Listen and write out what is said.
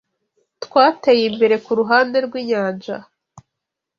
twateye imbere Kuruhande rwinyanja